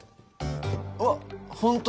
あっ本当だ。